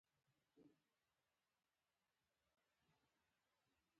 غاټول اوړي او را اوړي د خندا نه په شا